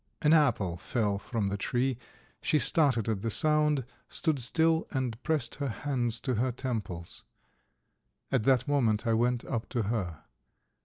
An apple fell from the tree; she started at the sound, stood still and pressed her hands to her temples. At that moment I went up to her.